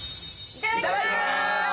いただきます。